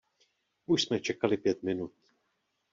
Už jsme čekali pět minut.